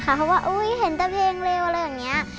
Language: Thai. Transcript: เขาก็เห็นแต่เพลงเร็วอะไรอย่างนี้